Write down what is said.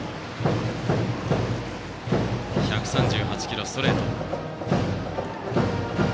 １３８キロのストレート。